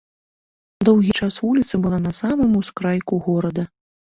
Доўгі час вуліца была на самым ускрайку горада.